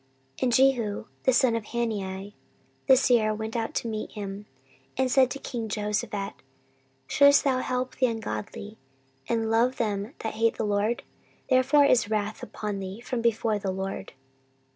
14:019:002 And Jehu the son of Hanani the seer went out to meet him, and said to king Jehoshaphat, Shouldest thou help the ungodly, and love them that hate the LORD? therefore is wrath upon thee from before the LORD.